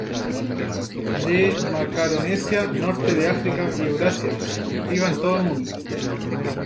De Macaronesia, Norte de África y Eurasia, se cultiva en todo el mundo.